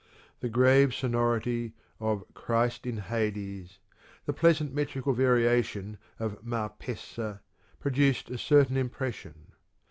The grave sonority of " Christ in Hades," the pleasant metrical variation of " Mar pessa " produced a certain impression.